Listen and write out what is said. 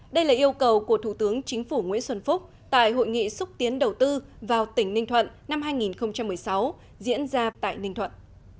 đây là yêu cầu của thủ tướng chính phủ nguyễn xuân phúc tại hội nghị xúc tiến đầu tư vào tỉnh ninh thuận năm hai nghìn một mươi sáu diễn ra tại ninh thuận